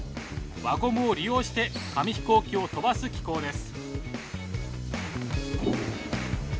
輪ゴムを利用して紙飛行機を飛ばす機構です。